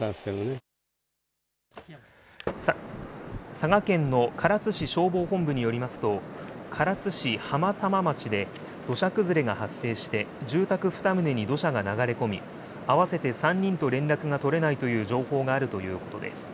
佐賀県の唐津市消防本部によりますと、唐津市浜玉町で土砂崩れが発生して、住宅２棟に土砂が流れ込み、合わせて３人と連絡が取れないという情報があるということです。